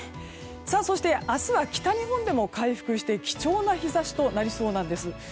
そして、明日は北日本でも回復して貴重な日差しとなりそうなんです。